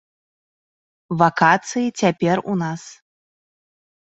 Вакацыі цяпер у нас.